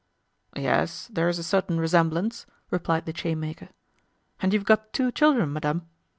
"Yes, there's a certain resemblance," replied the chainmaker. "And you've got two children, madame?